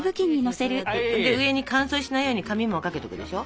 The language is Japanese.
上に乾燥しないように紙もかけとくでしょ。